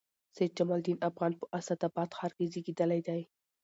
سید جمال الدین افغان په اسعداباد ښار کښي زېږېدلي دئ.